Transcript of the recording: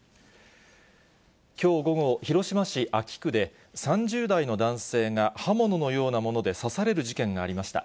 きょう午後、広島市安芸区で、３０代の男性が刃物のようなもので刺される事件がありました。